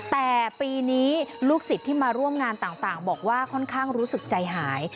แต่ปีนี้ลูกศิษย์ที่มาร่วมงานต่างบอกว่าค่อนข้างรู้สึกใจหาย